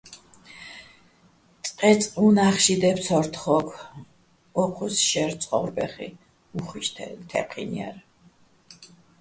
წყე́წყ უ̂ნა́ხში დე́ფცორ თხო́გო̆ ო́ჴუს შერ ცხო́ვრბეხიჼ, უ̂ხუშ თე́ჴინო̆ ჲარ.